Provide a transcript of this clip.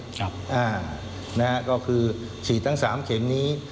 นะครับก็คือฉีดทั้ง๓เข็มนี้